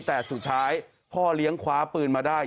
แต่สุดท้ายพ่อเลี้ยงคว้าปืนมาได้